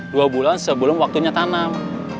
dua bulan sebelum waktunya tanam